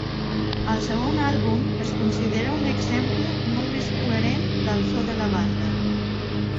El segon àlbum es considera un exemple molt més coherent del so de la banda.